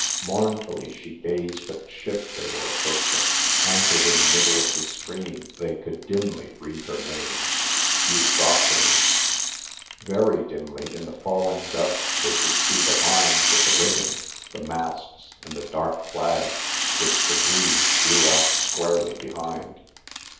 Mournfully she gazed at the ship they were approaching; anchored in the middle of the stream they could dimly read her name—Euphrosyne. Very dimly in the falling dusk they could see the lines of the rigging, the masts and the dark flag which the breeze blew out squarely behind.